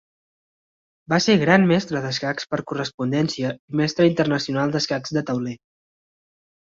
Va ser Gran mestre d'escacs per correspondència i Mestre internacional d'escacs de tauler.